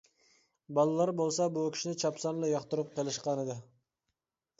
بالىلار بولسا بۇ كىشىنى چاپسانلا ياقتۇرۇپ قېلىشقانىدى.